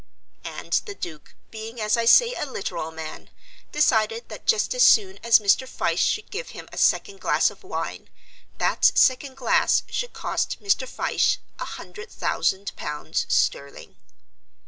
And the Duke, being as I say a literal man, decided that just as soon as Mr. Fyshe should give him a second glass of wine, that second glass should cost Mr. Fyshe a hundred thousand pounds sterling.